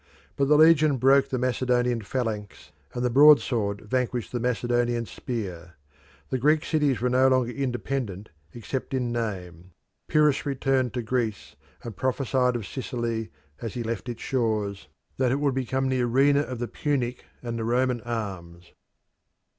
But the legion broke the Macedonian phalanx, and the broadsword vanquished the Macedonian spear. The Greek cities were no longer independent except in name. Pyrrhus returned to Greece, and prophesied of Sicily, as he left its shores, that it would become the arena of the Punic and the Roman arms.